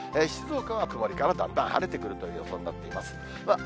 静岡は曇りからだんだん晴れてくるという予想になっています。